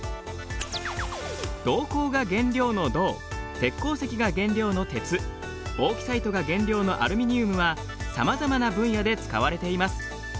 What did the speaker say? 銅鉱が原料の銅鉄鉱石が原料の鉄ボーキサイトが原料のアルミニウムはさまざまな分野で使われています。